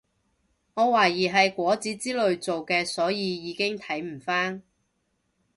我懷疑係果籽之類做嘅所以已經睇唔返